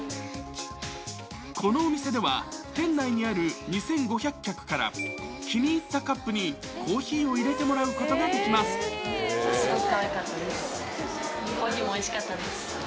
このお店では、店内にある２５００客から気に入ったカップにコーヒーを入れてもすごくかわいかったです。